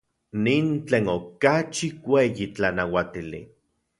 Nin tlen okachi ueyi tlanauatili.